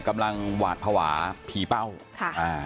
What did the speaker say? กำลังหวาดภาวะผีเป้าค่ะอ่า